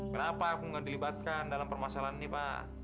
kenapa aku nggak dilibatkan dalam permasalahan ini pak